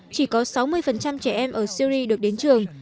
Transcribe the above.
chỉ có sáu mươi trẻ em ở syri được đến trường